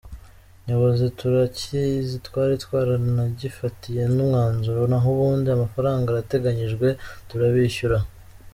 Nyobozi turakizi twari twaranagifatiye n’umwanzuro, naho ubundi amafaranga arateganyijwe turabishyura.